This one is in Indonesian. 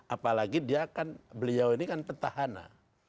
apalagi beliau ini kan petahana